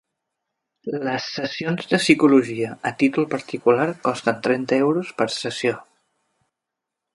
Les sessions de psicologia a títol particular costen trenta euros per sessió.